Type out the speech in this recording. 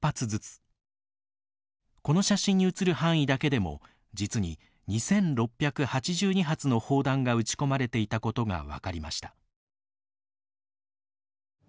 この写真に写る範囲だけでも実に２，６８２発の砲弾が撃ち込まれていたことが分かりました。